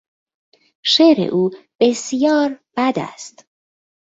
شعر او بسیار بد است.